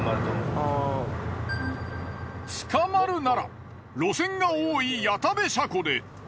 捕まるなら路線が多い谷田部車庫で。